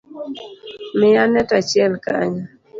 Miya net achiel kanyo